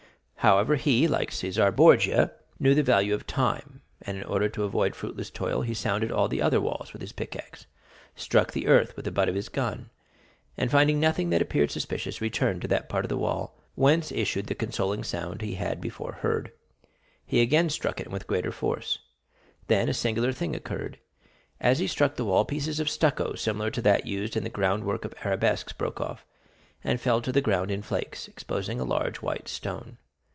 However, he, like Cæsar Borgia, knew the value of time; and, in order to avoid fruitless toil, he sounded all the other walls with his pickaxe, struck the earth with the butt of his gun, and finding nothing that appeared suspicious, returned to that part of the wall whence issued the consoling sound he had before heard. He again struck it, and with greater force. Then a singular thing occurred. As he struck the wall, pieces of stucco similar to that used in the ground work of arabesques broke off, and fell to the ground in flakes, exposing a large white stone.